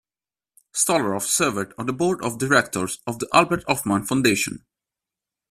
Stolaroff served on the board of directors of the Albert Hofmann Foundation.